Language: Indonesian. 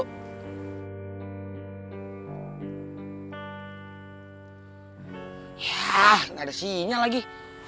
yah gak ada sinyal lagi